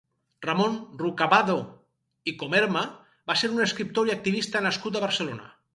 Ramon Rucabado i Comerma va ser un escriptor i activista nascut a Barcelona.